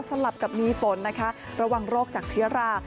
สลับกับมีฝนระหว่างโรคจักรเชื้อรา